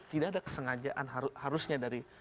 tidak ada kesengajaan harusnya dari